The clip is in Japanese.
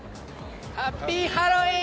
ハッピーハロウィーン。